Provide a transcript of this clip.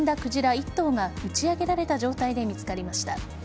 １頭が打ち上げられた状態で見つかりました。